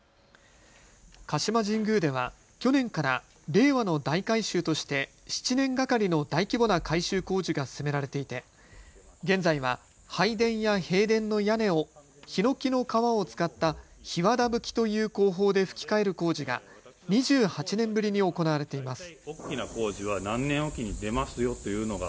鹿島神宮では去年から令和の大改修として７年がかりの大規模な改修工事が進められていて現在は拝殿や幣殿の屋根をひのきの皮を使ったひわだぶきという工法でふき替える工事が２８年ぶりに行われています。